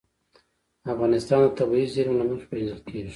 افغانستان د طبیعي زیرمې له مخې پېژندل کېږي.